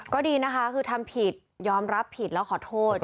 ก็ดีนะคะคือทำผิดยอมรับผิดแล้วขอโทษ